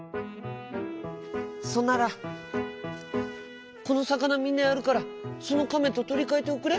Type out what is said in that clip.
「そんならこのさかなみんなやるからそのかめととりかえておくれ」。